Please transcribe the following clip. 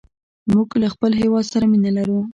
موږ له خپل هېواد سره مینه لرو.